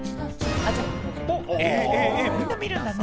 みんな見るんだね。